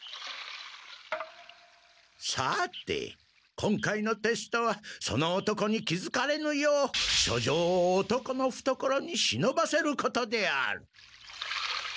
さて今回のテストはその男に気づかれぬよう書状を男のふところにしのばせることである。